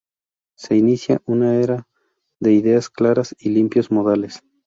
Se inicia una era de ideas claras y limpios modales.